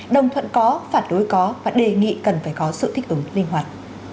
đồng thuận có phản đối có và đề nghị cần phải có sự thích ứng linh hoạt